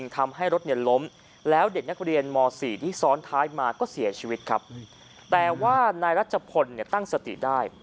ที่ซ้อนท้ายมาก็เสียชีวิตครับแต่ว่านายรัชพลเนี่ยตั้งสติได้